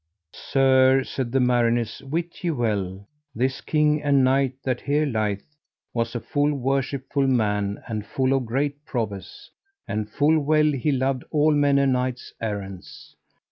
Sir, said the mariners, wit ye well this king and knight that here lieth was a full worshipful man and of full great prowess, and full well he loved all manner knights errants.